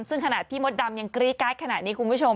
ซึ่งขณะพี่มดดำยังกรี๊ดการ์ดขนาดนี้คุณผู้ชม